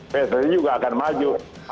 pssi juga akan maju